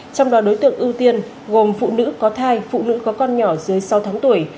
trong đó đối tượng ưu tiên gồm phụ nữ có thai phụ nữ có con nhỏ dưới sáu tháng tuổi